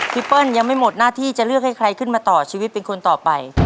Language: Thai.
เปิ้ลยังไม่หมดหน้าที่จะเลือกให้ใครขึ้นมาต่อชีวิตเป็นคนต่อไป